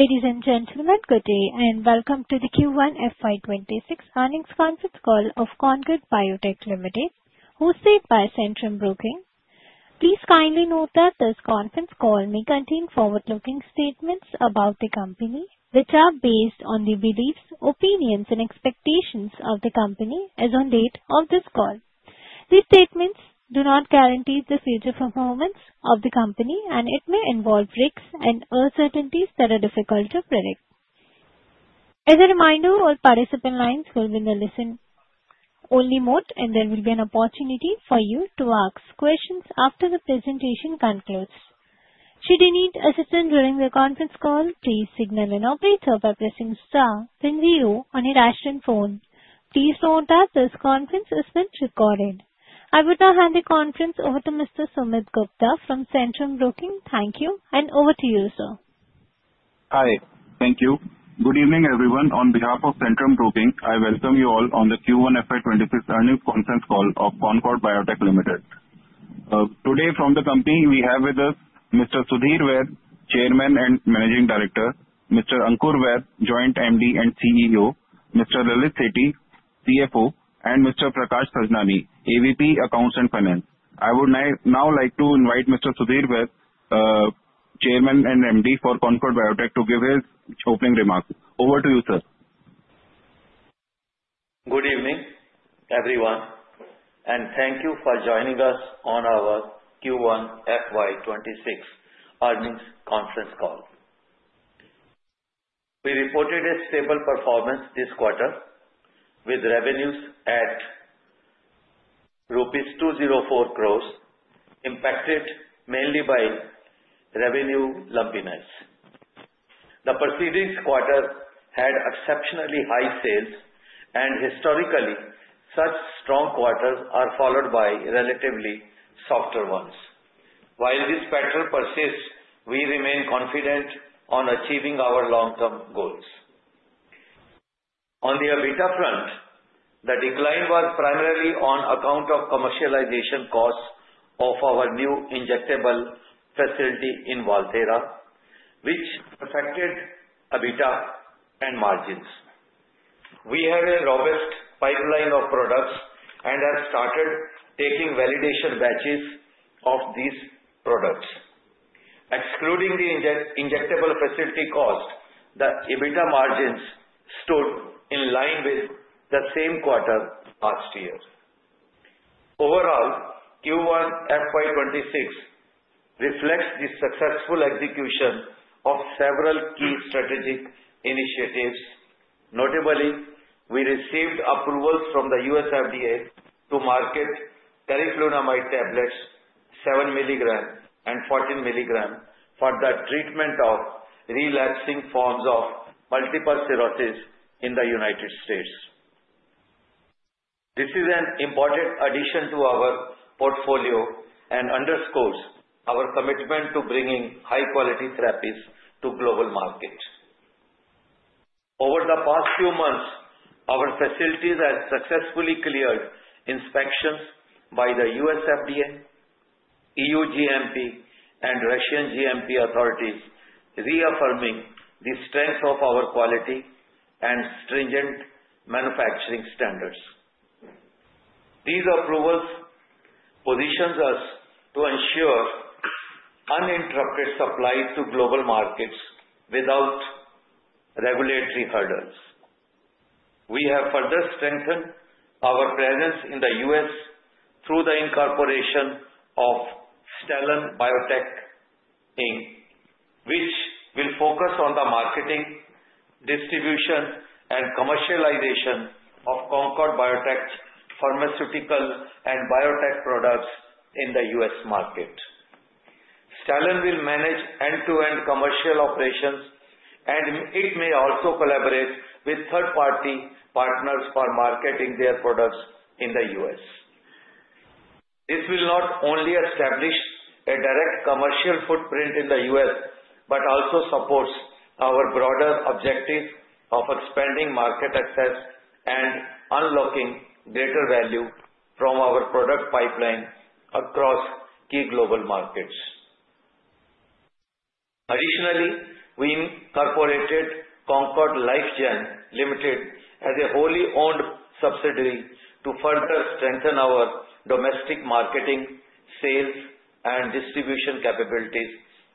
Ladies and gentlemen, good day, and welcome to the Q1 FY26 earnings conference call of Concord Biotech Ltd., hosted by Centrum Broking. Please kindly note that this conference call may contain forward-looking statements about the company which are based on the beliefs, opinions, and expectations of the company as on date of this call. These statements do not guarantee the future performance of the company, and it may involve risks and uncertainties that are difficult to predict. As a reminder, all participant lines will be in the listen-only mode, and there will be an opportunity for you to ask questions after the presentation concludes. Should you need assistance during the conference call, please signal an operator by pressing star ten on your Ashton phone. Please note that this conference is being recorded. I would now hand the conference over to Mr. Sumit Gupta from Centrum Broking. Thank you, and over to you, sir. Hi, thank you. Good evening, everyone. On behalf of Centrum Broking, I welcome you all to the Q1 FY26 earnings conference call of Concord Biotech Ltd. Today, from the company, we have with us Mr. Sudhir Vaid, Chairman and Managing Director, Mr. Ankur Vaid, Joint MD and CEO, Mr. Lalit Sethi, CFO, and Mr. Prakash Sajnani, AVP Accounts and Finance. I would now like to invite Mr. Sudhir Vaid, Chairman and MD for Concord Biotech, to give his opening remarks. Over to you, sir. Good evening, everyone, and thank you for joining us on our Q1 FY2026 earnings conference call. We reported a stable performance this quarter, with revenues at rupees 204 crore, impacted mainly by revenue lumpiness. The preceding quarter had exceptionally high sales, and historically, such strong quarters are followed by relatively softer ones. While this pattern persists, we remain confident on achieving our long-term goals. On the EBITDA front, the decline was primarily on account of commercialization costs of our new injectable facility in Valthera, which affected EBITDA and margins. We have a robust pipeline of products and have started taking validation batches of these products. Excluding the injectable facility cost, the EBITDA margins stood in line with the same quarter last year. Overall, Q1 FY2026 reflects the successful execution of several key strategic initiatives. Notably, we received approval from the US FDA to market teriflunomide tablets, 7 mg and 14 mg, for the treatment of relapsing forms of multiple sclerosis in the United States. This is an important addition to our portfolio and underscores our commitment to bringing high-quality therapies to global markets. Over the past few months, our facilities have successfully cleared inspections by the US FDA, EU GMP, and Russian GMP authorities, reaffirming the strength of our quality and stringent manufacturing standards. These approvals position us to ensure uninterrupted supply to global markets without regulatory hurdles. We have further strengthened our presence in the U.S. through the incorporation of Stellon Biotech, Inc., which will focus on the marketing, distribution, and commercialization of Concord Biotech's pharmaceutical and biotech products in the U.S. market. Stellon will manage end-to-end commercial operations, and it may also collaborate with third-party partners for marketing their products in the U.S. This will not only establish a direct commercial footprint in the U.S. but also supports our broader objective of expanding market access and unlocking greater value from our product pipeline across key global markets. Additionally, we incorporated Concord LifeGen Ltd., as a wholly owned subsidiary, to further strengthen our domestic marketing, sales, and distribution capabilities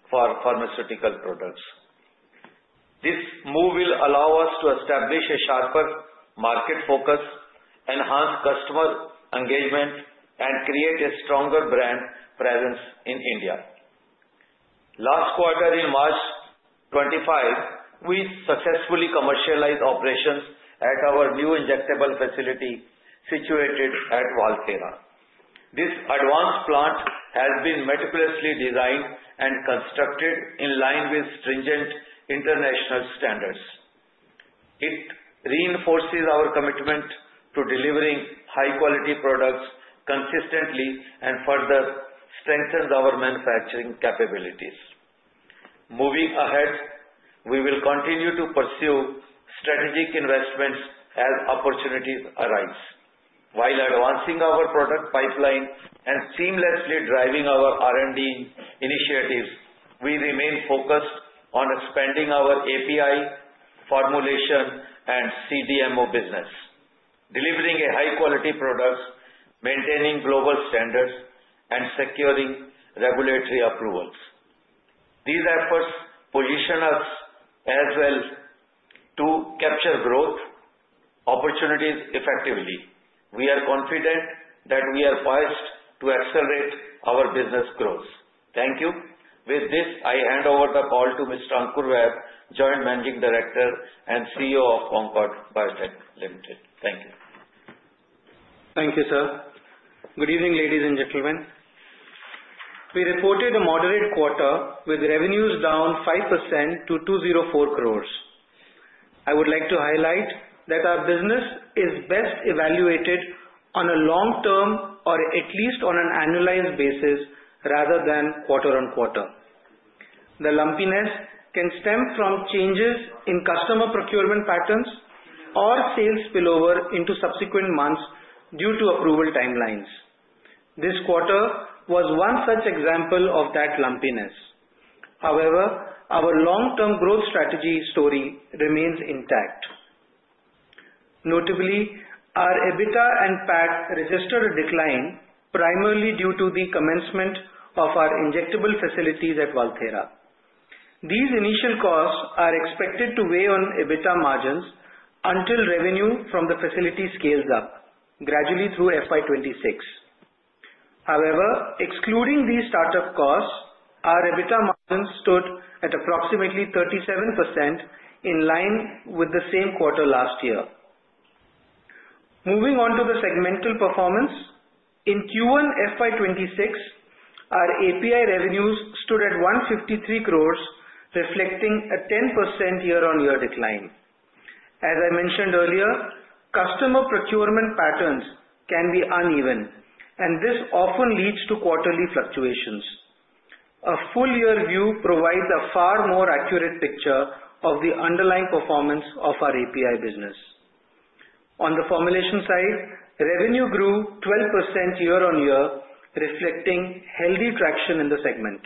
for pharmaceutical products. This move will allow us to establish a sharper market focus, enhance customer engagement, and create a stronger brand presence in India. Last quarter, in March 25, we successfully commercialized operations at our new injectable facility situated at Valthera. This advanced plant has been meticulously designed and constructed in line with stringent international standards. It reinforces our commitment to delivering high-quality products consistently and further strengthens our manufacturing capabilities. Moving ahead, we will continue to pursue strategic investments as opportunities arise. While advancing our product pipeline and seamlessly driving our R&D initiatives, we remain focused on expanding our API formulation and CDMO business, delivering high-quality products, maintaining global standards, and securing regulatory approvals. These efforts position us as well to capture growth opportunities effectively. We are confident that we are poised to accelerate our business growth. Thank you. With this, I hand over the call to Mr. Ankur Vaid, Joint Managing Director and CEO of Concord Biotech Ltd. Thank you. Thank you, sir. Good evening, ladies and gentlemen. We reported a moderate quarter with revenues down 5% to 204 crore. I would like to highlight that our business is best evaluated on a long-term or at least on an annualized basis rather than quarter-on-quarter. The lumpiness can stem from changes in customer procurement patterns or sales spillover into subsequent months due to approval timelines. This quarter was one such example of that lumpiness. However, our long-term growth strategy story remains intact. Notably, our EBITDA and PAT registered a decline primarily due to the commencement of our injectable facilities at Valdera. These initial costs are expected to weigh on EBITDA margins until revenue from the facility scales up gradually through FY2026. However, excluding these startup costs, our EBITDA margins stood at approximately 37% in line with the same quarter last year. Moving on to the segmental performance, in Q1 FY2026, our API revenues stood at 153 crore, reflecting a 10% year-on-year decline. As I mentioned earlier, customer procurement patterns can be uneven, and this often leads to quarterly fluctuations. A full-year view provides a far more accurate picture of the underlying performance of our API business. On the formulation side, revenue grew 12% year-on-year, reflecting healthy traction in the segment.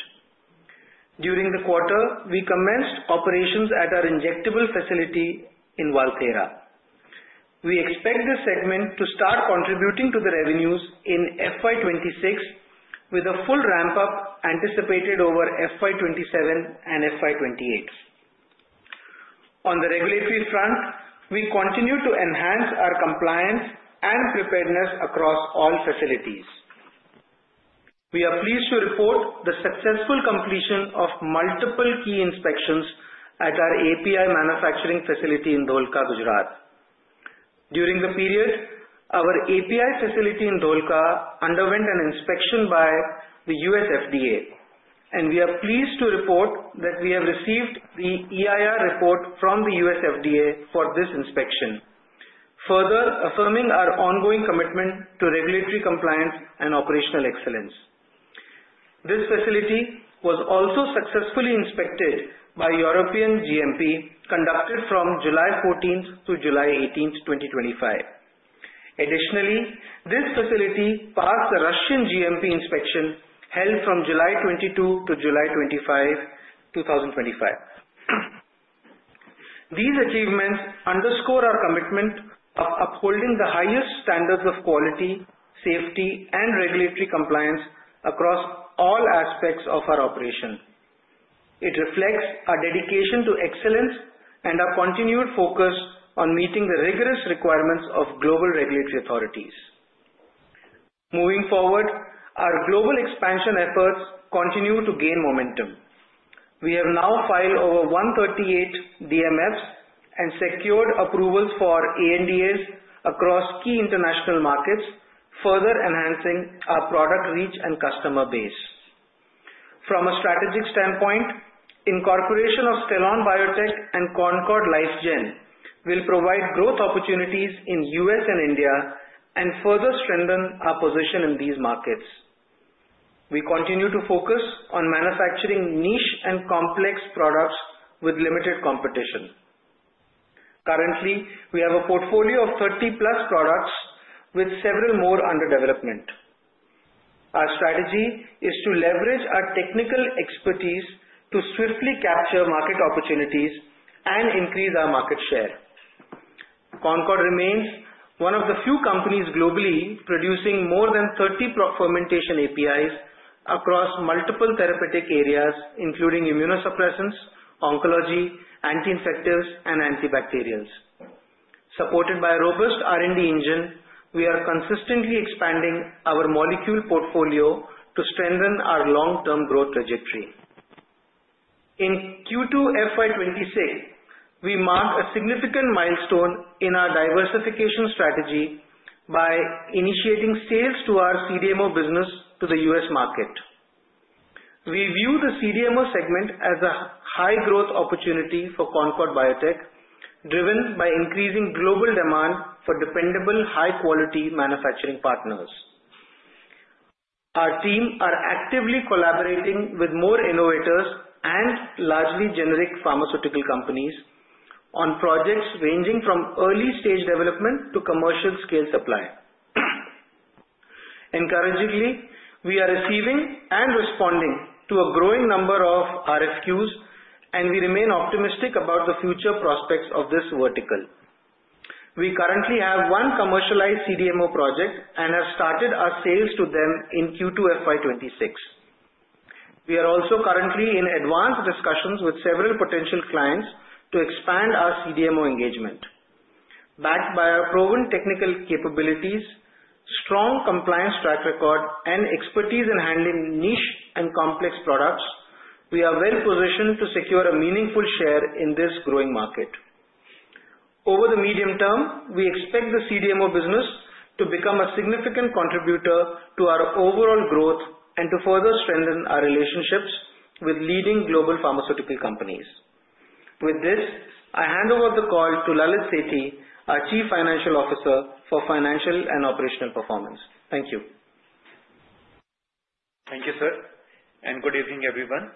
During the quarter, we commenced operations at our injectable facility in Valdera. We expect this segment to start contributing to the revenues in FY2026 with a full ramp-up anticipated over FY2027 and FY2028. On the regulatory front, we continue to enhance our compliance and preparedness across all facilities. We are pleased to report the successful completion of multiple key inspections at our API manufacturing facility in Dholka, Gujarat. During the period, our API facility in Dholka underwent an inspection by the US FDA, and we are pleased to report that we have received the EIR report from the US FDA for this inspection, further affirming our ongoing commitment to regulatory compliance and operational excellence. This facility was also successfully inspected by EU GMP, conducted from July 14-July 18, 2025. Additionally, this facility passed the Russian GMP inspection held from July 22-July 25, 2025. These achievements underscore our commitment of upholding the highest standards of quality, safety, and regulatory compliance across all aspects of our operation. It reflects our dedication to excellence and our continued focus on meeting the rigorous requirements of global regulatory authorities. Moving forward, our global expansion efforts continue to gain momentum. We have now filed over 138 DMFs and secured approvals for ANDAs across key international markets, further enhancing our product reach and customer base. From a strategic standpoint, the incorporation of Stellon Biotech and Concord LifeGen will provide growth opportunities in the U.S. and India and further strengthen our position in these markets. We continue to focus on manufacturing niche and complex products with limited competition. Currently, we have a portfolio of 30+ products with several more under development. Our strategy is to leverage our technical expertise to swiftly capture market opportunities and increase our market share. Concord remains one of the few companies globally producing more than 30 fermentation APIs across multiple therapeutic areas, including immunosuppressants, oncology, anti-infectives, and antibacterial agents. Supported by a robust R&D engine, we are consistently expanding our molecule portfolio to strengthen our long-term growth trajectory. In Q2 FY2026, we marked a significant milestone in our diversification strategy by initiating sales to our CDMO business to the U.S. market. We view the CDMO segment as a high-growth opportunity for Concord Biotech, driven by increasing global demand for dependable, high-quality manufacturing partners. Our teams are actively collaborating with more innovators and largely generic pharmaceutical companies on projects ranging from early-stage development to commercial-scale supply. Encouragingly, we are receiving and responding to a growing number of RFQs, and we remain optimistic about the future prospects of this vertical. We currently have one commercialized CDMO project and have started our sales to them in Q2 FY2026. We are also currently in advanced discussions with several potential clients to expand our CDMO engagement. Backed by our proven technical capabilities, strong compliance track record, and expertise in handling niche and complex products, we are well-positioned to secure a meaningful share in this growing market. Over the medium term, we expect the CDMO business to become a significant contributor to our overall growth and to further strengthen our relationships with leading global pharmaceutical companies. With this, I hand over the call to Lalit Sethi, our Chief Financial Officer for Financial and Operational Performance. Thank you. Thank you, sir, and good evening, everyone.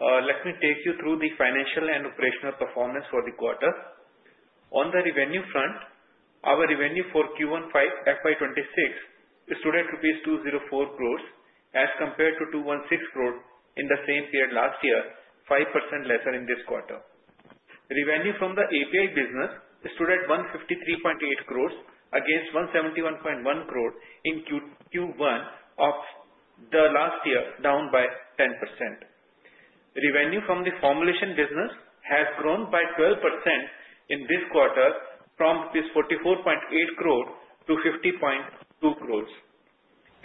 Let me take you through the financial and operational performance for the quarter. On the revenue front, our revenue for Q1 FY2026 stood at INR 204 crores as compared to INR 216 crores in the same period last year, 5% lesser in this quarter. Revenue from the API business stood at 153.8 crores against 171.1 crores in Q1 of the last year, down by 10%. Revenue from the formulation business has grown by 12% in this quarter from 44.8 crores to 50.2 crores.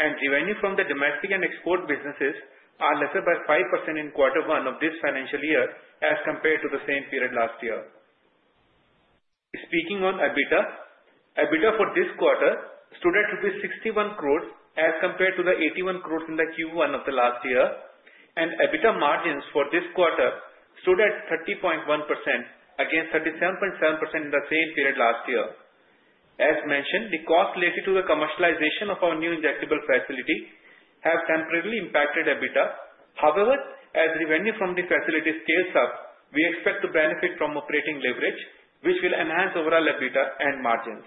Revenue from the domestic and export businesses are lesser by 5% in Q1 of this financial year as compared to the same period last year. Speaking on EBITDA, EBITDA for this quarter stood at rupees 61 crores as compared to the 81 crores in the Q1 of the last year. EBITDA margins for this quarter stood at 30.1% against 37.7% in the same period last year. As mentioned, the costs related to the commercialization of our new injectable facility have temporarily impacted EBITDA. However, as revenue from the facility scales up, we expect to benefit from operating leverage, which will enhance overall EBITDA and margins.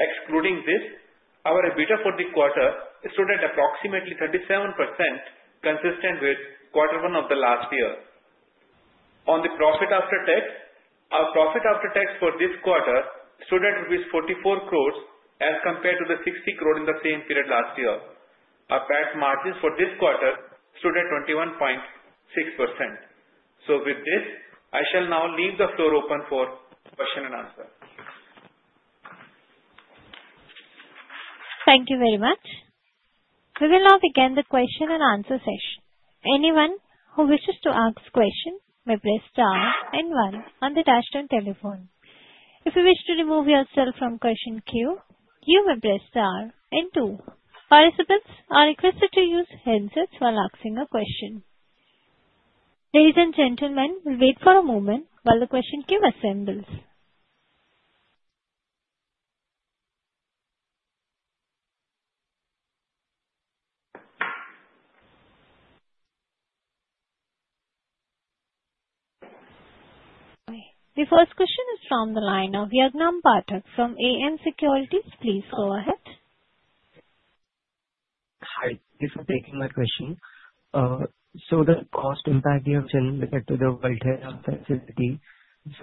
Excluding this, our EBITDA for the quarter stood at approximately 37%, consistent with Q1 of the last year. On the profit after tax, our profit after tax for this quarter stood at rupees 44 crores as compared to the 60 crores in the same period last year. Our cash margins for this quarter stood at 21.6%. I shall now leave the floor open for question-and-answer. Thank you very much. We will now begin the question-and-answer session. Anyone who wishes to ask a question may press the "ask" and "when" on the dashboard telephone. If you wish to remove yourself from question queue, you may press the "r" and "to." Participants are requested to use headsets while asking a question. Ladies and gentlemen, we'll wait for a moment while the question queue assembles. The first question is from the line of Yagnam Pathak from AM Securities. Please go ahead. Hi. Thanks for taking my question. Does cost impact your churn related to the Valthera facility? It's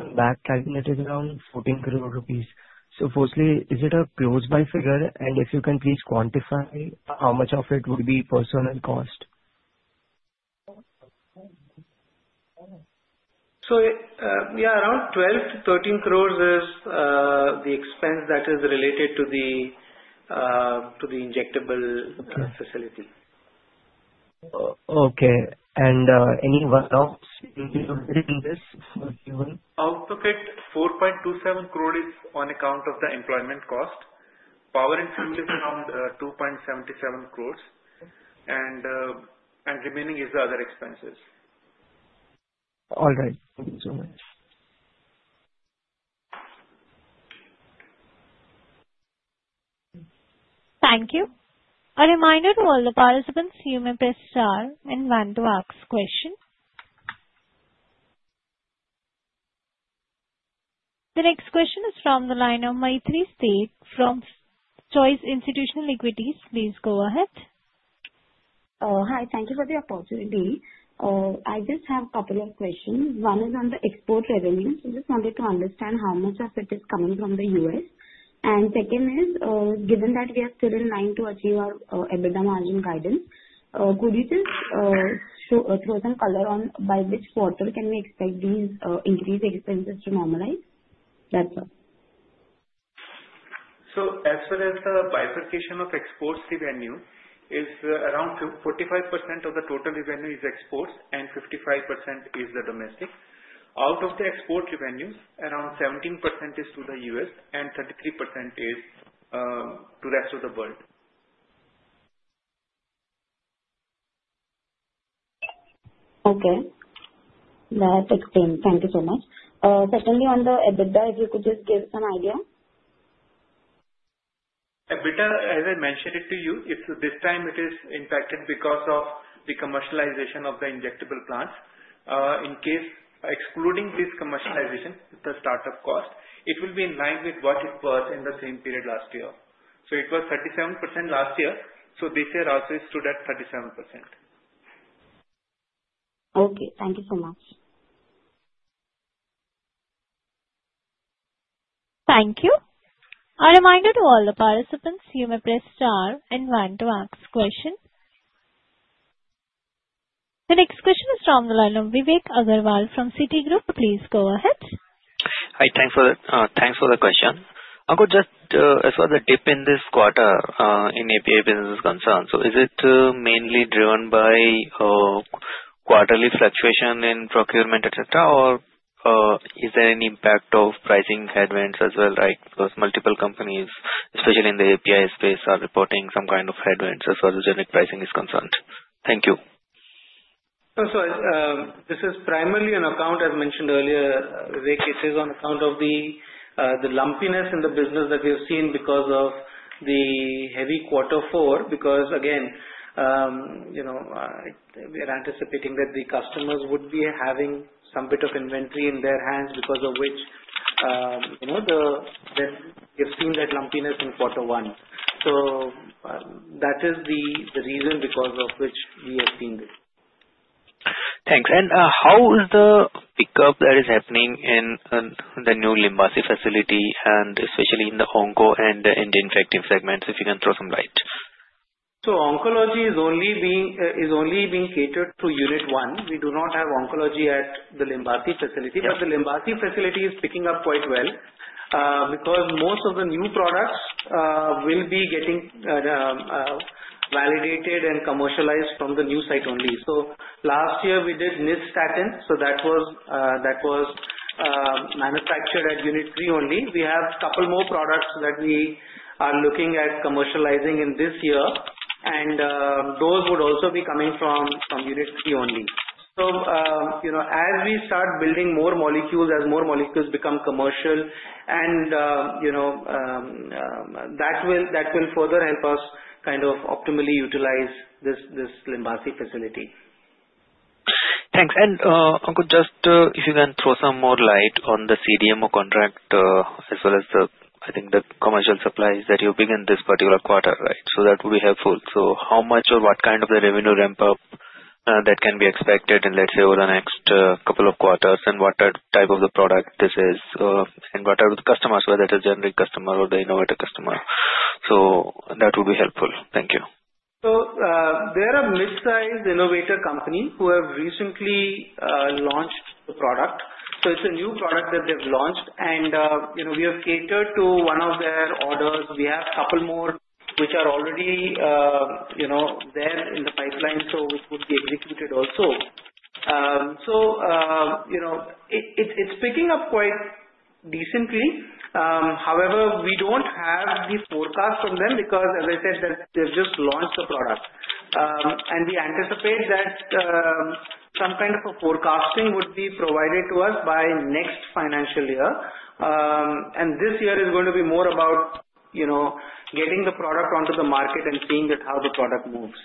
a back-tracking that is around 14 crore rupees. Is it a close-by figure? If you can please quantify how much of it would be personal cost? Yeah, around 12 crore-INR13 crore is the expense that is related to the injectable facility. Okay. Anyone else? Out of it, 4.27 crore is on account of the employment cost. Power and furniture is around 2.77 crore, and remaining is the other expenses. All right. Thank you. A reminder to all the participants, you may press "star" and "one" to ask a question. The next question is from the line of Maitri Sheth from Choice Institutional Equities. Please go ahead. Hi. Thank you for the opportunity. I just have a couple of questions. One is on the export revenues. I just wanted to understand how much of it is coming from the U.S. Given that we are still in line to achieve our EBITDA margin guidance, could you just throw some color on by which quarter can we expect these increased expenses to normalize? That's all. As far as the bifurcation of exports revenue, it's around 45% of the total revenue is exports and 55% is the domestic. Out of the export revenues, around 17% is to the U.S. and 33% is to the rest of the world. Okay. That's excellent. Thank you so much. Secondly, on the EBITDA, if you could just give us an idea. EBITDA, as I mentioned it to you, this time it is impacted because of the commercialization of the injectable plants. In case excluding this commercialization with the startup cost, it will be in line with what it was in the same period last year. It was 37% last year. This year also stood at 37%. Okay, thank you so much. Thank you. A reminder to all the participants, you may press "star" and "one" to ask a question. The next question is from the line of Vivek Agrawal from Citigroup. Please go ahead. Hi. Thanks for the question. As far as the dip in this quarter in API business is concerned, is it mainly driven by quarterly fluctuation in procurement, or is there any impact of pricing headwinds as well? Multiple companies, especially in the API space, are reporting some kind of headwinds as far as generic pricing is concerned. Thank you. This is primarily an account, as mentioned earlier, Vivek says, on account of the lumpiness in the business that we have seen because of the heavy Q4. Again, you know, we are anticipating that the customers would be having some bit of inventory in their hands because of which, you know, they've seen that lumpiness in Q1. That is the reason because of which we have seen this. Thanks. How is the pickup that is happening in the new Limbasi facility, especially in the oncology and the anti-infective segments, if you can throw some light? Oncology is only being catered to unit one. We do not have oncology at the Limbasi facility, but the Limbasi facility is picking up quite well because most of the new products will be getting validated and commercialized from the new site only. Last year, we did Nystatin. That was manufactured at unit three only. We have a couple more products that we are looking at commercializing in this year, and those would also be coming from unit three only. As we start building more molecules, as more molecules become commercial, that will further help us kind of optimally utilize this Limbasi facility. Thanks. If you can throw some more light on the CDMO contract as well as the commercial supplies that you bring in this particular quarter, that would be helpful. How much or what kind of the revenue ramp-up can be expected in, let's say, over the next couple of quarters and what type of the product this is and what are the customers, whether it is a generic customer or the innovator customer? That would be helpful. Thank you. They're a mid-sized innovator company who have recently launched a product. It's a new product that they've launched, and we have catered to one of their orders. We have a couple more which are already there in the pipeline, which would be executed also. It's picking up quite decently. However, we don't have the forecast from them because, as I said, they've just launched the product. We anticipate that some kind of a forecasting would be provided to us by next financial year. This year is going to be more about getting the product onto the market and seeing how the product moves.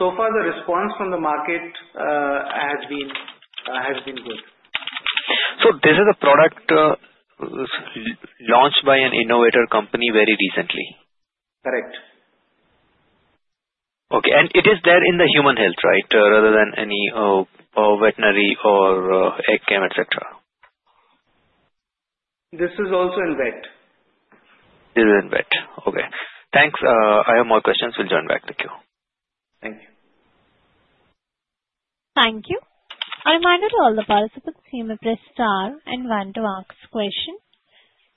So far, the response from the market has been good. Is this a product launched by an innovator company very recently? Correct. Okay. It is there in the human health, right, rather than any veterinary or eco man, etc.? This is also in vet. This is in vet. Okay, thanks. I have more questions. I'll join back the queue. Thank you. Thank you. A reminder to all the participants, you may press "star" and "one" to ask a question.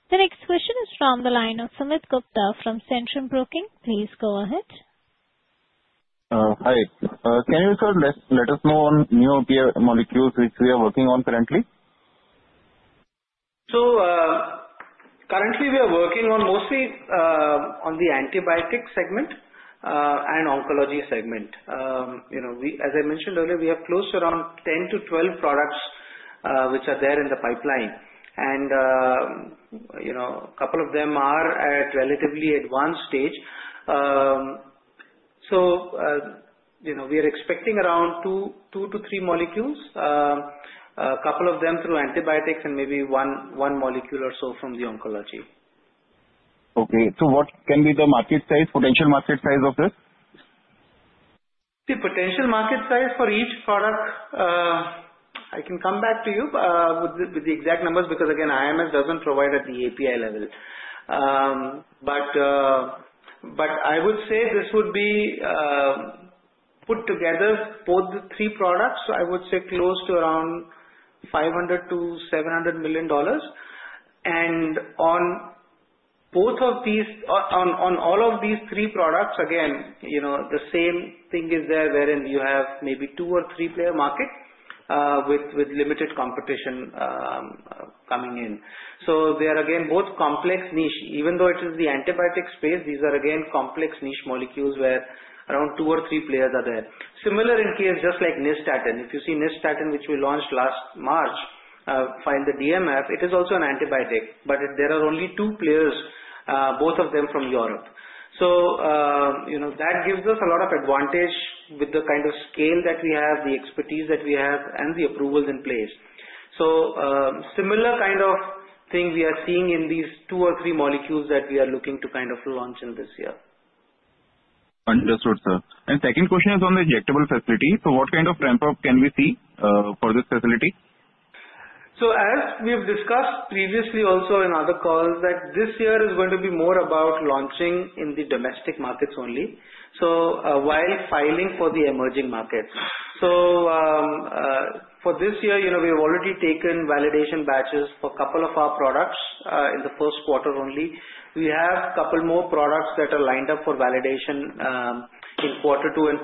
The next question is from the line of Sumit Gupta from Centrum Broking. Please go ahead. Hi, can you first let us know on new molecules which we are working on currently? Currently, we are working mostly on the antibiotic segment and oncology segment. As I mentioned earlier, we have close to around 10-12 products which are there in the pipeline, and a couple of them are at a relatively advanced stage. We are expecting around two to three molecules, a couple of them through antibiotics, and maybe one molecule or so from the oncology. What can be the market size, potential market size of this? The potential market size for each product, I can come back to you with the exact numbers because, again, IMS doesn't provide at the API level. I would say this would be put together for the three products, I would say close to around $500 million-$700 million. On all of these three products, again, you know, the same thing is there, wherein you have maybe two or three-player markets with limited competition coming in. They are, again, both complex niche. Even though it is the antibiotic space, these are, again, complex niche molecules where around two or three players are there. Similar in case just like Nystatin. If you see Nystatin, which we launched last March, find the DMF, it is also an antibiotic, but there are only two players, both of them from Europe. That gives us a lot of advantage with the kind of scale that we have, the expertise that we have, and the approvals in place. Similar kind of thing we are seeing in these two or three molecules that we are looking to kind of launch in this year. Understood, sir. The second question is on the injectable facility. What kind of ramp-up can we see for this facility? As we have discussed previously also in other calls, this year is going to be more about launching in the domestic markets only, while filing for the emerging markets. For this year, we have already taken validation batches for a couple of our products in the first quarter only. We have a couple more products that are lined up for validation in Q2 and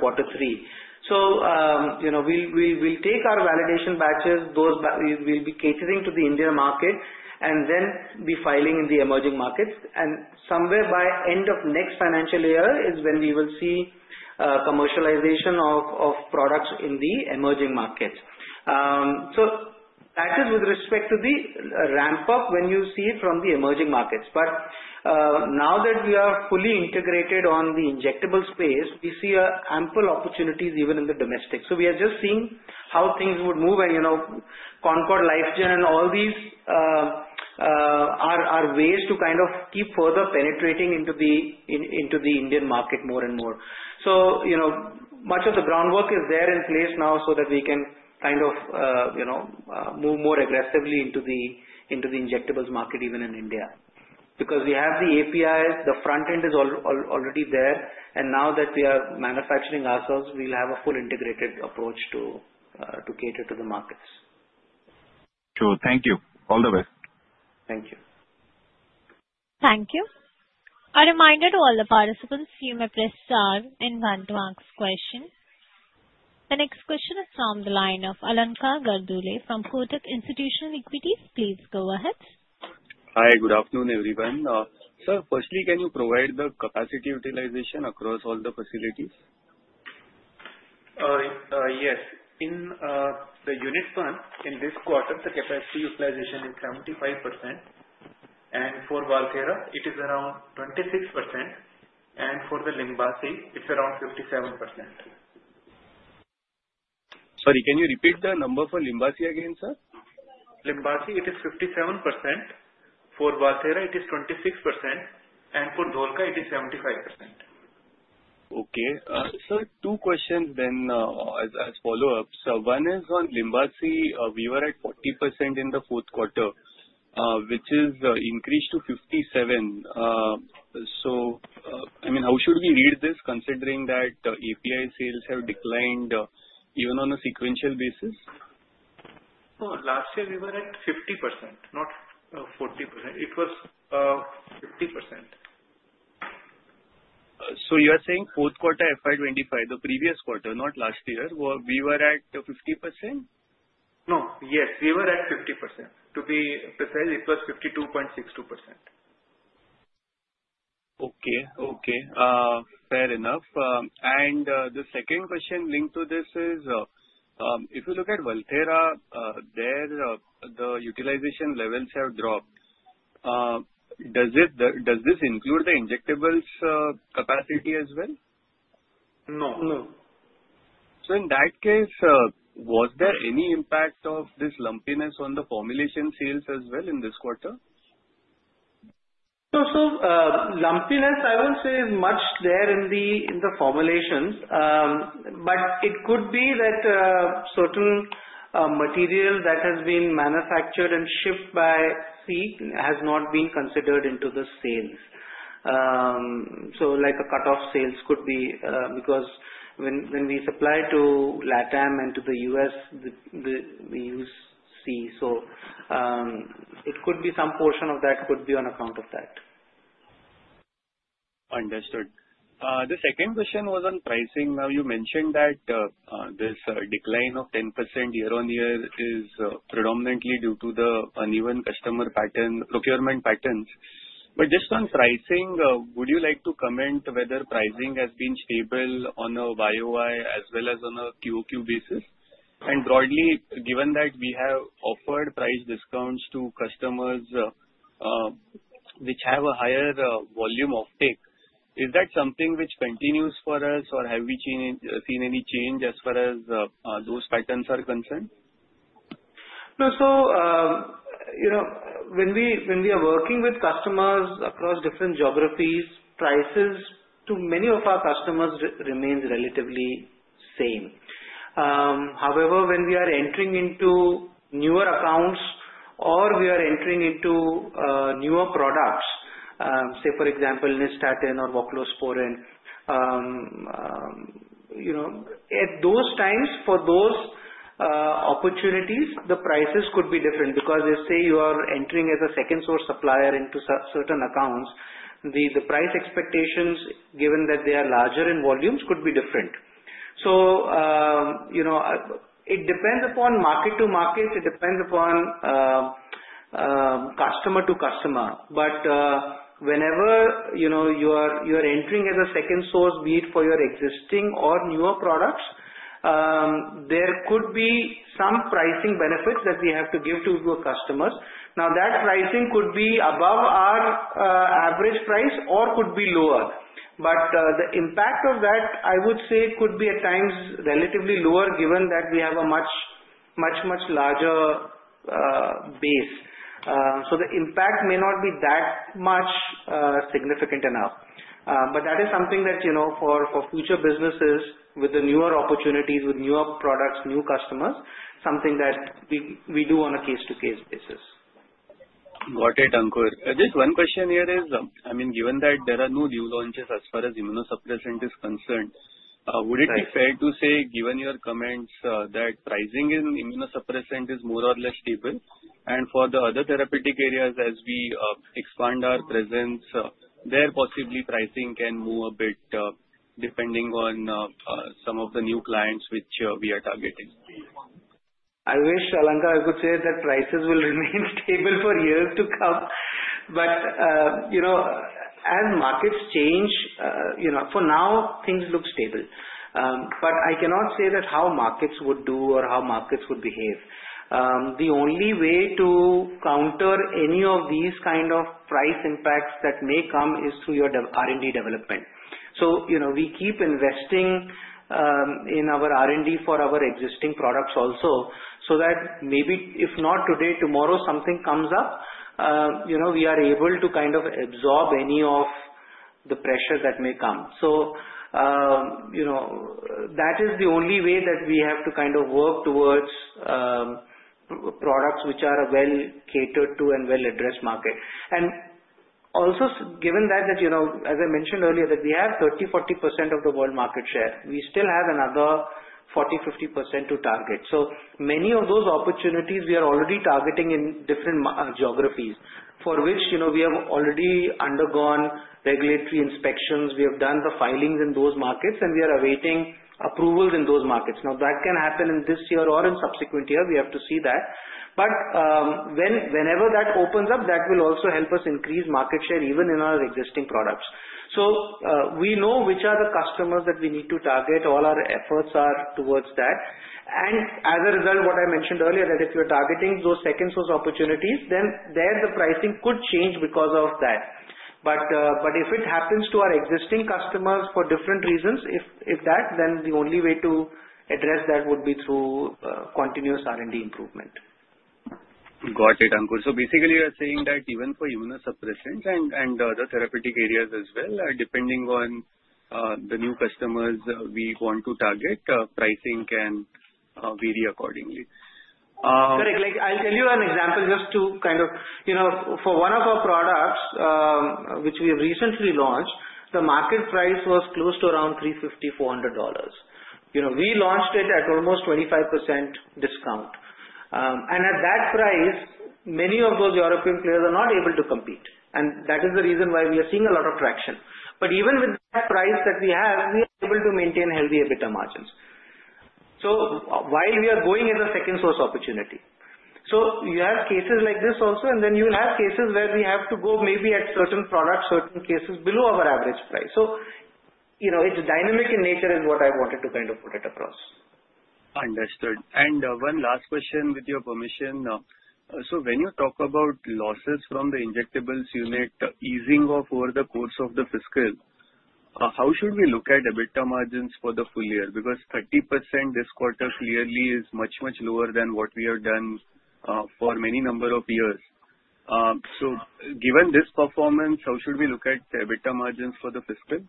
Q3. We will take our validation batches, those we will be catering to the India market, and then be filing in the emerging markets. Somewhere by the end of next financial year is when we will see commercialization of products in the emerging markets. That is with respect to the ramp-up when you see it from the emerging markets. Now that we are fully integrated on the injectable space, we see ample opportunities even in the domestic. We are just seeing how things would move. Concord LifeGen and all these are ways to kind of keep further penetrating into the Indian market more and more. Much of the groundwork is there in place now so that we can kind of move more aggressively into the injectables market even in India because we have the APIs, the front end is already there. Now that we are manufacturing ourselves, we will have a full integrated approach to cater to the markets. Thank you, all the best. Thank you. Thank you. A reminder to all the participants, you may press "star" and "one" to ask a question. The next question is from the line of Alankar Garude from Kotak Institutional Equities. Please go ahead. Hi. Good afternoon, everyone. Sir, firstly, can you provide the capacity utilization across all the facilities? Yes. In the unit one, in this quarter, the capacity utilization is 75%. For Valthera, it is around 26%. For the Limbasi, it's around 57%. Sorry, can you repeat the number for Limbasi again, sir? Limbati, it is 57%. For Valdera, it is 26%. For Dholka, it is 75%. Okay. Sir, two questions then as follow-ups. One is on Limbasi. We were at 40% in the fourth quarter, which has increased to 57%. How should we read this considering that API sales have declined even on a sequential basis? Oh, last year, we were at 50%, not 40%. It was 50%. You are saying fourth quarter FY2025, the previous quarter, not last year, we were at 50%? No. Yes, we were at 50%. To be precise, it was 52.62%. Okay. Okay. Fair enough. The second question linked to this is, if you look at Valthera, the utilization levels have dropped. Does this include the injectables' capacity as well? No. In that case, was there any impact of this lumpiness on the formulation sales as well in this quarter? Lumpiness, I won't say is much there in the formulations, but it could be that certain material that has been manufactured and shipped by sea has not been considered into the sales. A cut-off sales could be because when we supply to LATAM and to the U.S., we use sea. It could be some portion of that could be on account of that. Understood. The second question was on pricing. You mentioned that this decline of 10% year-on-year is predominantly due to the uneven customer pattern, procurement patterns. Just on pricing, would you like to comment whether pricing has been stable on a year-on-year as well as on a quarter-on-quarter basis? Broadly, given that we have offered price discounts to customers which have a higher volume of take, is that something which continues for us, or have we seen any change as far as those patterns are concerned? When we are working with customers across different geographies, prices to many of our customers remain relatively the same. However, when we are entering into newer accounts or we are entering into newer products, say, for example, Nystatin or mycophenolate, at those times, for those opportunities, the prices could be different because they say you are entering as a second-source supplier into certain accounts. The price expectations, given that they are larger in volumes, could be different. It depends upon market to market. It depends upon customer to customer. Whenever you are entering as a second-source lead for your existing or newer products, there could be some pricing benefits that we have to give to our customers. That pricing could be above our average price or could be lower. The impact of that, I would say, could be at times relatively lower given that we have a much, much, much larger base. The impact may not be that significant enough. That is something that, for future businesses with the newer opportunities, with newer products, new customers, is something that we do on a case-to-case basis. Got it, Ankur? Just one question here is, I mean, given that there are no new launches as far as immunosuppressant is concerned, would it be fair to say, given your comments, that pricing in immunosuppressant is more or less stable? For the other therapeutic areas, as we expand our presence there, possibly pricing can move a bit depending on some of the new clients which we are targeting. I wish, Alankar, I could say that prices will remain stable for years to come. As markets change, for now, things look stable. I cannot say how markets would do or how markets would behave. The only way to counter any of these kind of price impacts that may come is through your R&D development. We keep investing in our R&D for our existing products also so that maybe if not today, tomorrow, something comes up, we are able to kind of absorb any of the pressure that may come. That is the only way that we have to kind of work towards products which are well catered to and well addressed markets. Also, given that, as I mentioned earlier, we have 30%-40% of the world market share, we still have another 40%-50% to target. Many of those opportunities we are already targeting in different geographies for which we have already undergone regulatory inspections. We have done the filings in those markets, and we are awaiting approvals in those markets. That can happen in this year or in subsequent years. We have to see that. Whenever that opens up, that will also help us increase market share even in our existing products. We know which are the customers that we need to target. All our efforts are towards that. As a result, what I mentioned earlier, if you're targeting those second-source opportunities, then there the pricing could change because of that. If it happens to our existing customers for different reasons, the only way to address that would be through continuous R&D improvement. Got it, Ankur. Basically, you are saying that even for immunosuppressants and other therapeutic areas as well, depending on the new customers we want to target, pricing can vary accordingly. Correct. I'll tell you an example just to kind of, you know, for one of our products, which we have recently launched, the market price was close to around $350, $400. We launched it at almost 25% discount. At that price, many of those European players are not able to compete. That is the reason why we are seeing a lot of traction. Even with the price that we have, we are able to maintain healthy EBITDA margins. We are going as a second-source opportunity. You have cases like this also, and then you'll have cases where we have to go maybe at certain products, certain cases below our average price. It's dynamic in nature is what I wanted to kind of put it across. Understood. One last question, with your permission. When you talk about losses from the injectables unit easing off over the course of the fiscal, how should we look at EBITDA margins for the full year? Because 30% this quarter clearly is much, much lower than what we have done for many number of years. Given this performance, how should we look at EBITDA margins for the fiscal?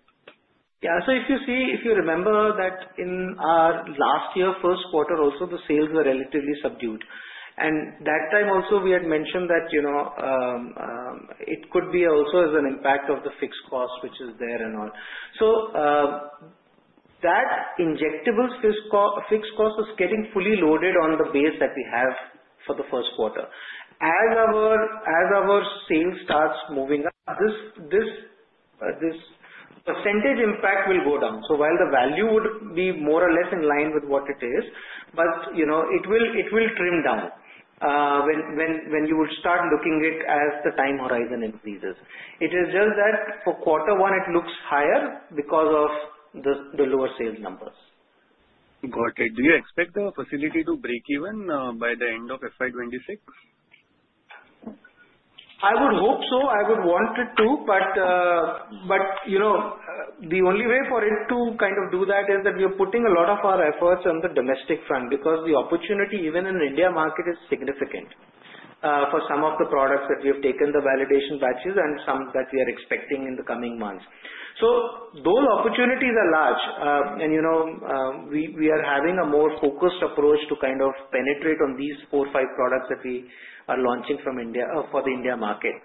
Yeah. If you see, if you remember that in our last year, first quarter also, the sales were relatively subdued. At that time also, we had mentioned that it could be also as an impact of the fixed cost, which is there and all. That injectables fixed cost was getting fully loaded on the base that we have for the first quarter. As our sales start moving up, this percentage impact will go down. While the value would be more or less in line with what it is, it will trim down when you would start looking at it as the time horizon increases. It is just that for quarter one, it looks higher because of the lower sales numbers. Got it. Do you expect the facility to break even by the end of FY2026? I would hope so. I would want it to. The only way for it to kind of do that is that we are putting a lot of our efforts on the domestic front because the opportunity even in the India market is significant for some of the products that we have taken the validation batches and some that we are expecting in the coming months. Those opportunities are large. We are having a more focused approach to kind of penetrate on these four or five products that we are launching for the India market.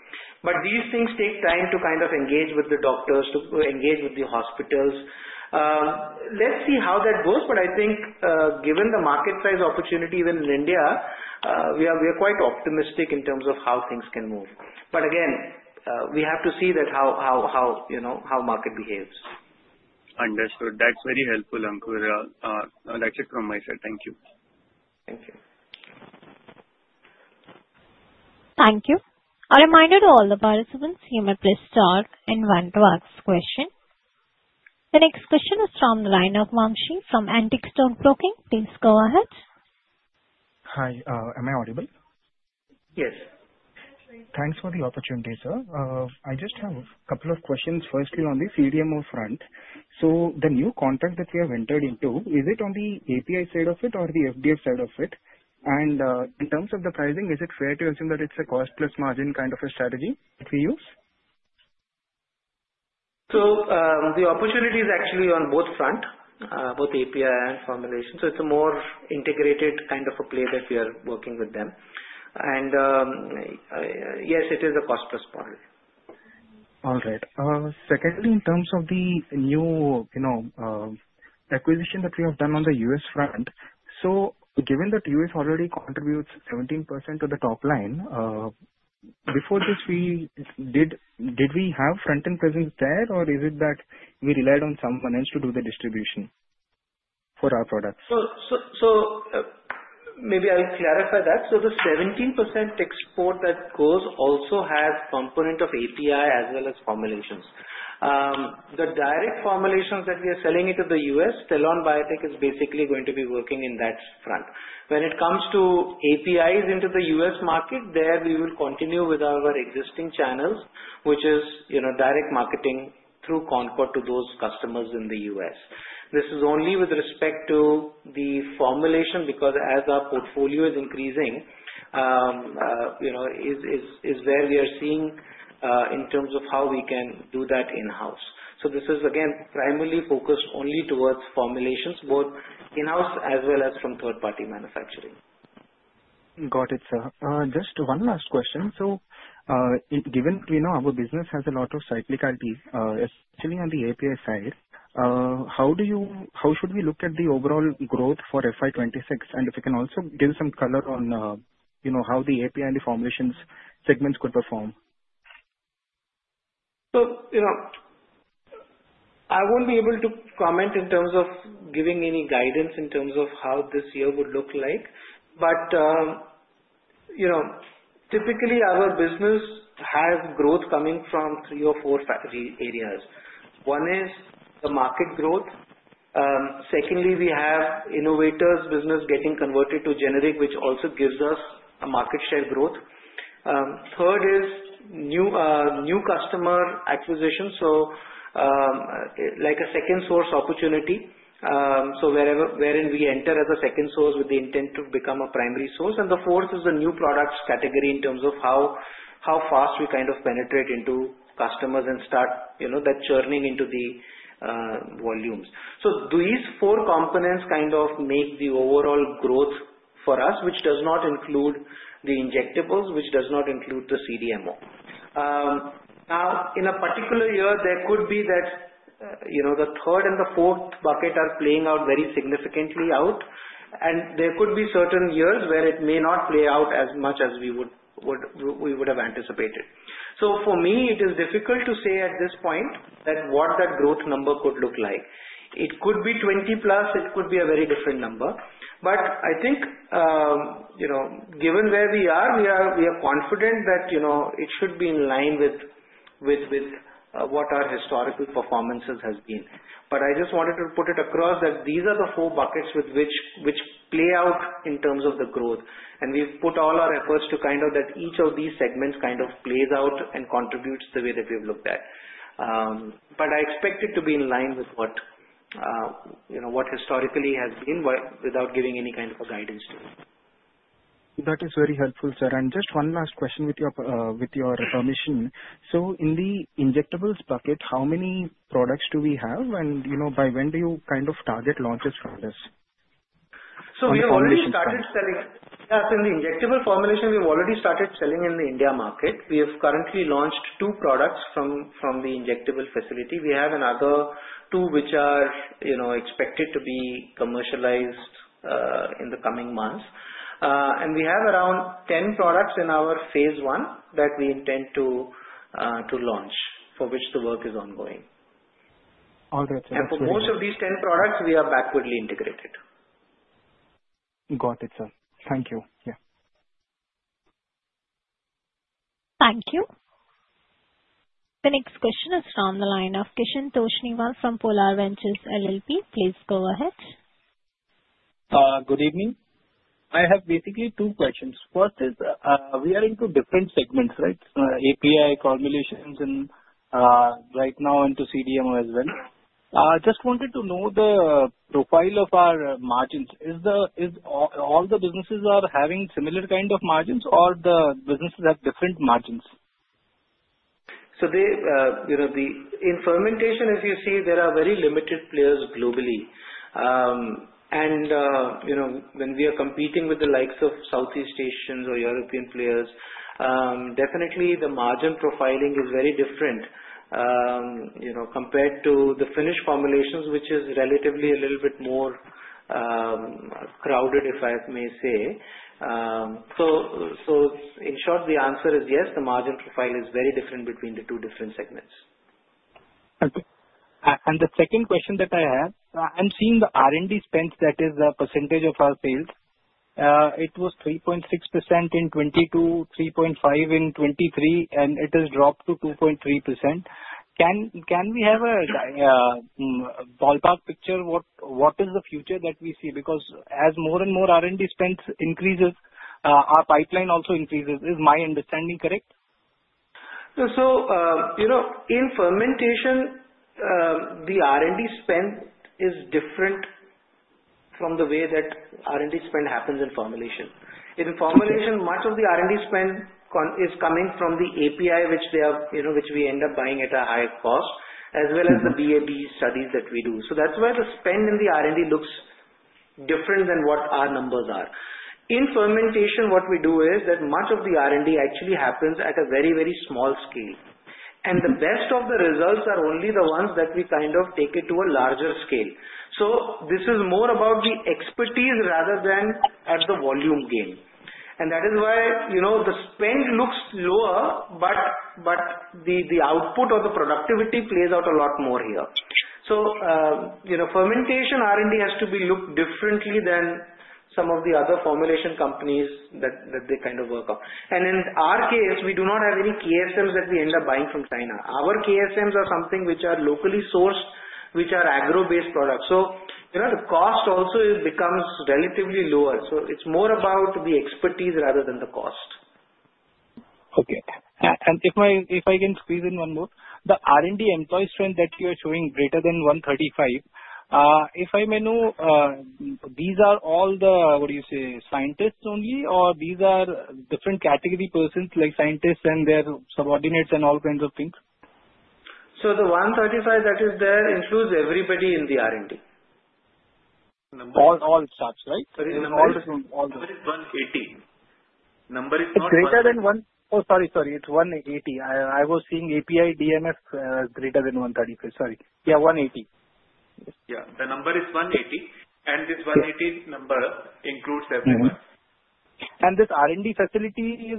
These things take time to kind of engage with the doctors, to engage with the hospitals. Let's see how that goes. I think given the market size opportunity even in India, we are quite optimistic in terms of how things can move. We have to see that how, you know, how market behaves. Understood. That's very helpful, Ankur, and that's it from my side. Thank you. Thank you. Thank you. A reminder to all the participants, you may press "star" and "one" to ask a question. The next question is from the line of Wangshi from Antiques Stone Broking. Please go ahead. Hi, am I audible? Yes. Thanks for the opportunity, sir. I just have a couple of questions. Firstly, on the CDMO front, the new contract that we have entered into, is it on the API side of it or the FDF side of it? In terms of the pricing, is it fair to assume that it's a cost-plus margin kind of a strategy that we use? The opportunity is actually on both fronts, both API and formulation. It's a more integrated kind of a play that we are working with them, and yes, it is a cost-plus model. All right. Secondly, in terms of the new acquisition that we have done on the U.S. front, given that the U.S. already contributes 17% to the top line, before this, did we have front-end presence there, or is it that we relied on someone else to do the distribution for our products? I will clarify that. The 17% export that goes also has a component of API as well as formulations. The direct formulations that we are selling into the U.S., Stellon Biotech is basically going to be working in that front. When it comes to APIs into the U.S. market, we will continue with our existing channels, which is direct marketing through Concord to those customers in the U.S. This is only with respect to the formulation because as our portfolio is increasing, you know, is where we are seeing in terms of how we can do that in-house. This is, again, primarily focused only towards formulations, both in-house as well as from third-party manufacturing. Got it, sir. Just one last question. Given we know our business has a lot of cyclicality, especially on the API side, how should we look at the overall growth for FY2026? If you can also give some color on how the API and the formulations segments could perform. I won't be able to comment in terms of giving any guidance in terms of how this year would look like. Typically, our business has growth coming from three or four areas. One is the market growth. Secondly, we have innovators' business getting converted to generic, which also gives us a market share growth. Third is new customer acquisitions, like a second-source opportunity, wherein we enter as a second source with the intent to become a primary source. The fourth is the new products category in terms of how fast we kind of penetrate into customers and start that churning into the volumes. These four components make the overall growth for us, which does not include the injectables, which does not include the CDMO. In a particular year, the third and the fourth bucket are playing out very significantly. There could be certain years where it may not play out as much as we would have anticipated. For me, it is difficult to say at this point what that growth number could look like. It could be 20%+. It could be a very different number. Given where we are, we are confident that it should be in line with what our historical performances have been. I just wanted to put it across that these are the four buckets which play out in terms of the growth. We've put all our efforts so that each of these segments plays out and contributes the way that we've looked at. I expect it to be in line with what historically has been without giving any kind of a guidance. That is very helpful, sir. Just one last question with your permission. In the injectables bucket, how many products do we have, and by when do you kind of target launches for this? We have already started selling in the injectable formulation in the India market. We have currently launched two products from the injectable facility. We have another two which are expected to be commercialized in the coming months. We have around 10 products in our phase one that we intend to launch for which the work is ongoing. All right. For most of these 10 products, we are backwardly integrated. Got it, sir. Thank you. Yeah. Thank you. The next question is from the line of Kishan Tosniwal from Polar Ventures LLP. Please go ahead. Good evening. I have basically two questions. We are into different segments, right? API formulations and right now into CDMO as well. I just wanted to know the profile of our margins. Are all the businesses having similar kind of margins or do the businesses have different margins? In fermentation, as you see, there are very limited players globally. When we are competing with the likes of Southeast Asians or European players, definitely the margin profiling is very different compared to the Finnish formulations, which is relatively a little bit more crowded, if I may say. In short, the answer is yes, the margin profile is very different between the two different segments. Okay. The second question that I have, I'm seeing the R&D spend, that is the percentage of our sales. It was 3.6% in 2022, 3.5% in 2023, and it has dropped to 2.3%. Can we have a ballpark picture? What is the future that we see? Because as more and more R&D spend increases, our pipeline also increases. Is my understanding correct? In fermentation, the R&D spend is different from the way that R&D spend happens in formulation. In formulation, much of the R&D spend is coming from the API, which they have, which we end up buying at a higher cost, as well as the BAB studies that we do. That's where the spend in the R&D looks different than what our numbers are. In fermentation, what we do is that much of the R&D actually happens at a very, very small scale. The rest of the results are only the ones that we kind of take it to a larger scale. This is more about the expertise rather than as the volume gain. That is why the spend looks lower, but the output or the productivity plays out a lot more here. Fermentation R&D has to be looked at differently than some of the other formulation companies that they kind of work on. In our case, we do not have any KSMs that we end up buying from China. Our KSMs are something which are locally sourced, which are agro-based products. The cost also becomes relatively lower. It's more about the expertise rather than the cost. Okay. If I can squeeze in one more, the R&D employee strength that you are showing greater than 135, if I may know, these are all the, what do you say, scientists only, or these are different category persons like scientists and their subordinates and all kinds of things? The 135 that is there includes everybody in the R&D. All subs, right? Sorry, all subs. Number is 180. Number is not. Greater than one eighty. I was seeing API DMS greater than one thirty-five. Yeah, 180. Yeah, the number is 180, and this 180 number includes everyone. Is this R&D facility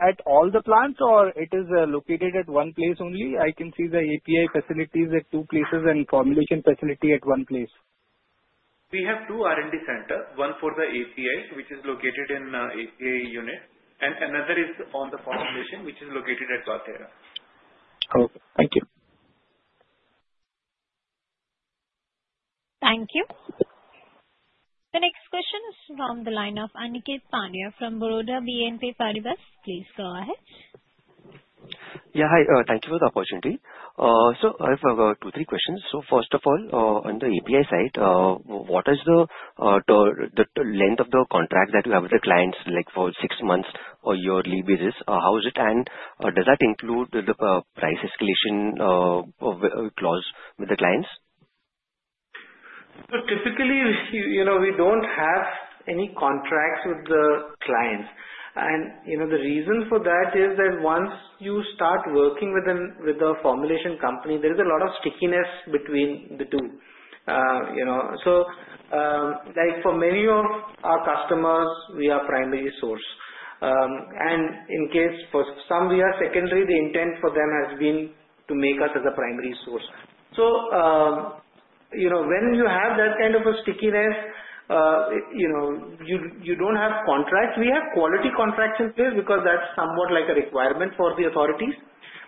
at all the plants, or is it located at one place only? I can see the API facilities at two places and the formulation facility at one place. We have two R&D centers, one for the API, which is located in A unit, and another is on the formulation, which is located at Valthera. Okay. Thank you. Thank you. The next question is from the line of Ankeet Pandya from Baroda, BNP Paribas. Please go ahead. Yeah, hi. Thank you for the opportunity. I have two or three questions. First of all, on the API side, what is the length of the contract that you have with the clients, like for six months or yearly basis? How is it? Does that include the price escalation clause with the clients? Typically, you know, we don't have any contracts with the clients. The reason for that is that once you start working with a formulation company, there is a lot of stickiness between the two. For many of our customers, we are primary source. In case for some, we are secondary. The intent for them has been to make us as a primary source. When you have that kind of a stickiness, you don't have contracts. We have quality contracts in place because that's somewhat like a requirement for the authorities.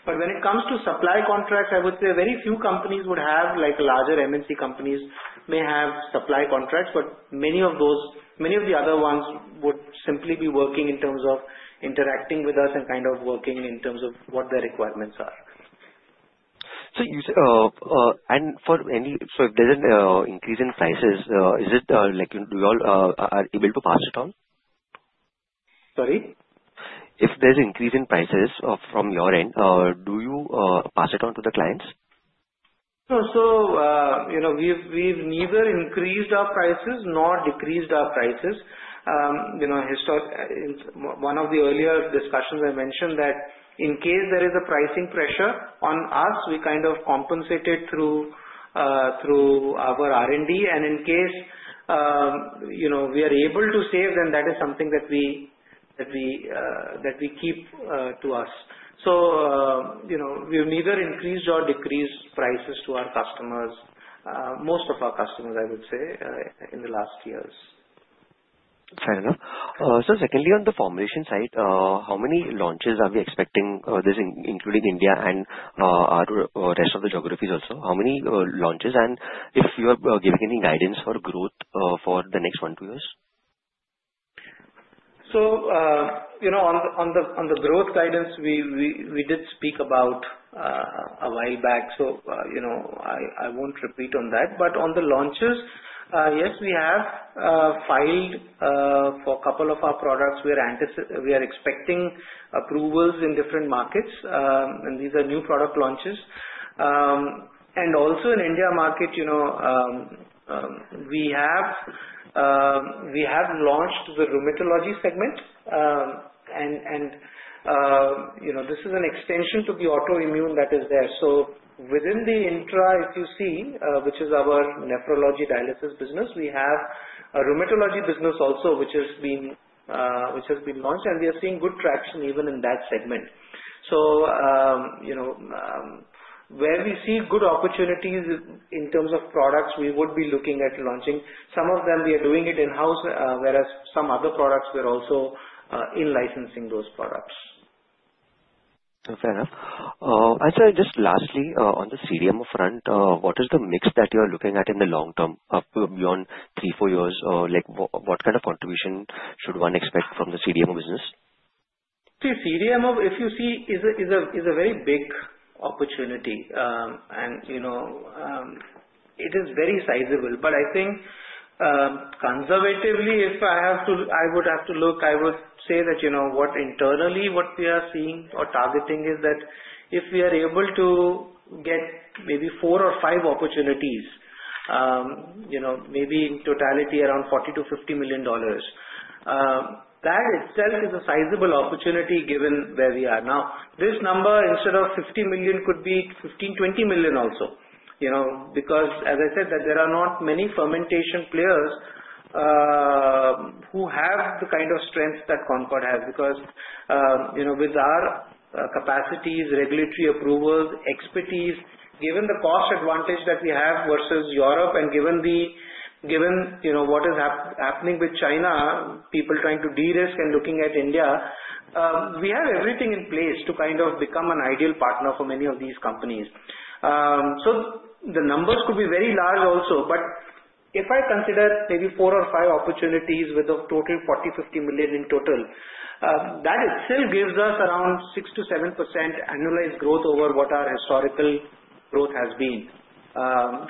When it comes to supply contracts, I would say very few companies would have, like larger MNC companies may have supply contracts, but many of the other ones would simply be working in terms of interacting with us and kind of working in terms of what their requirements are. If there's an increase in prices, is it like you all are able to pass it on? Sorry? If there's an increase in prices from your end, do you pass it on to the clients? We have neither increased our prices nor decreased our prices. In one of the earlier discussions, I mentioned that in case there is a pricing pressure on us, we compensate it through our R&D. In case we are able to save, then that is something that we keep to us. We have neither increased nor decreased prices to our customers, most of our customers, I would say, in the last years. Fair enough. Secondly, on the formulation side, how many launches are we expecting, this including India and our rest of the geographies also? How many launches? If you are giving any guidance for growth for the next one, two years? On the growth guidance, we did speak about a while back. I won't repeat on that. On the launches, yes, we have filed for a couple of our products. We are expecting approvals in different markets. These are new product launches. Also, in the India market, we have launched with rheumatology segments. This is an extension to the autoimmune that is there. Within the intra, if you see, which is our nephrology dialysis business, we have a rheumatology business also which has been launched. We are seeing good traction even in that segment. Where we see good opportunities in terms of products, we would be looking at launching. Some of them, we are doing it in-house, whereas some other products, we are also in-licensing those products. Fair enough. Just lastly, on the CDMO front, what is the mix that you are looking at in the long term, beyond three, four years? What kind of contribution should one expect from the CDMO business? CDMO, if you see, is a very big opportunity. It is very sizable. I think, conservatively, if I have to, I would have to look, I would say that, you know, what internally, what we are seeing or targeting is that if we are able to get maybe four or five opportunities, maybe in totality, around $40 million-$50 million, that itself is a sizable opportunity given where we are. This number, instead of $50 million, could be $15, $20 million also, because, as I said, there are not many fermentation players who have the kind of strength that Concord has because, with our capacities, regulatory approvals, expertise, given the cost advantage that we have versus Europe, and given what is happening with China, people trying to de-risk and looking at India, we have everything in place to become an ideal partner for many of these companies. The numbers could be very large also. If I consider maybe four or five opportunities with a total of $40, $50 million in total, that itself gives us around 6%-7% annualized growth over what our historical growth has been. That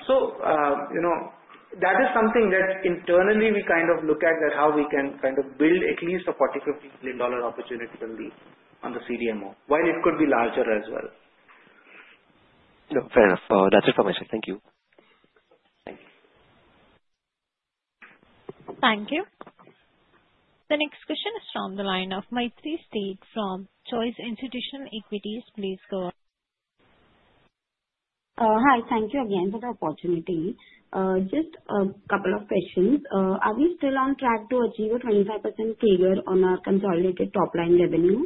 is something that internally we look at, how we can build at least a $40, $50 million opportunity on the CDMO, while it could be larger as well. Fair enough. That's information. Thank you. Thank you. The next question is from the line of Maitri Sheth from Choice Institutional Equities. Please go ahead. Hi. Thank you again for the opportunity. Just a couple of questions. Are we still on track to achieve a 25% figure on our consolidated top-line revenue?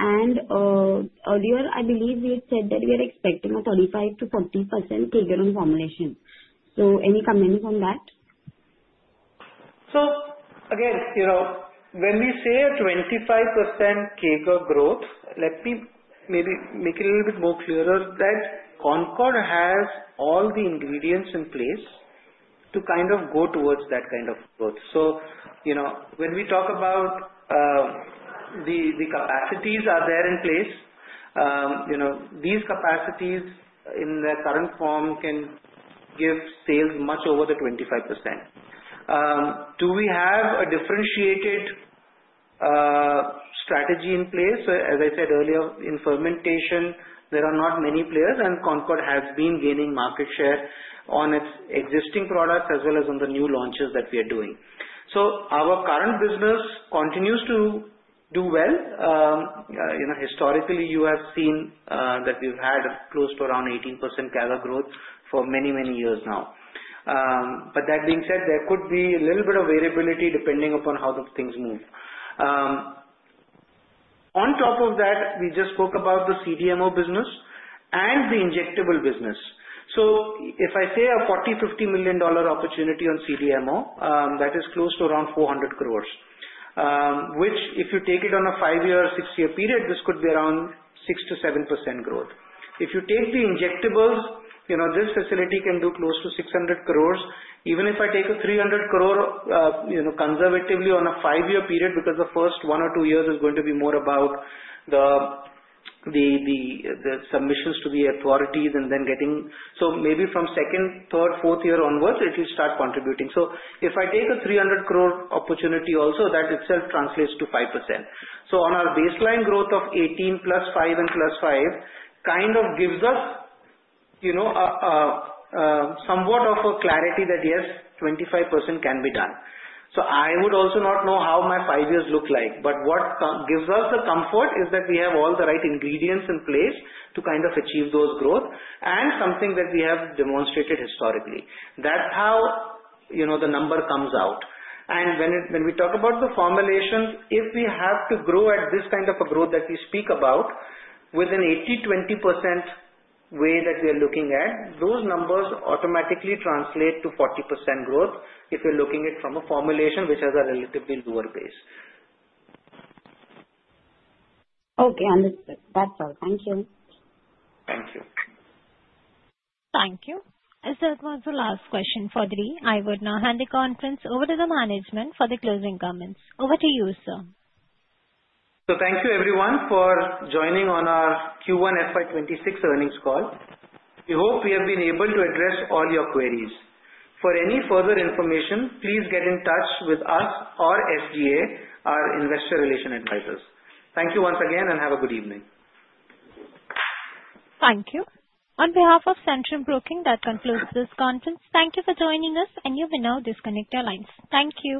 Earlier, I believe you had said that we are expecting a 35%-40% figure on formulation. Any comment on that? Again, when we say a 25% figure growth, let me maybe make it a little bit more clear that Concord has all the ingredients in place to kind of go towards that kind of growth. When we talk about the capacities that are there in place, these capacities in their current form can give sales much over the 25%. Do we have a differentiated strategy in place? As I said earlier, in fermentation, there are not many players, and Concord has been gaining market share on its existing products as well as on the new launches that we are doing. Our current business continues to do well. Historically, you have seen that we've had close to around 18% CAGR growth for many, many years now. That being said, there could be a little bit of variability depending upon how things move. On top of that, we just spoke about the CDMO business and the injectable business. If I say a $40 million, $50 million opportunity on CDMO, that is close to around 400 crores, which if you take it on a five-year or six-year period, this could be around 6%-7% growth. If you take the injectables, this facility can do close to 600 crores. Even if I take an 300 crore, conservatively on a five-year period because the first one or two years is going to be more about the submissions to the authorities and then getting, so maybe from second, third, fourth year onwards, if you start contributing. If I take an 300 crore opportunity also, that itself translates to 5%. On our baseline growth of 18%+ 5%+ and 5%, it kind of gives us somewhat of a clarity that, yes, 25% can be done. I would also not know how my five years look like. What gives us the comfort is that we have all the right ingredients in place to kind of achieve those growths and something that we have demonstrated historically. That's how the number comes out. When we talk about the formulations, if we have to grow at this kind of a growth that we speak about with an 80%, 20% way that we are looking at, those numbers automatically translate to 40% growth if you're looking at it from a formulation which has a relatively lower base. Okay. Understood. That's all. Thank you. Thank you. Thank you. I still have one last question for the day. I would now hand the conference over to the management for the closing comments. Over to you, sir. Thank you, everyone, for joining on our Q1 FY26 earnings call. We hope we have been able to address all your queries. For any further information, please get in touch with us or SGA, our investor relation advisors. Thank you once again and have a good evening. Thank you. On behalf of Centrum Broking, that concludes this content. Thank you for joining us, and you may now disconnect your lines. Thank you.